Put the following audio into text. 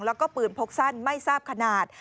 แล้วก็ปืนพกสั้นไม่ทราบขนาด